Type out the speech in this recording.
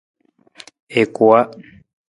I kuwa.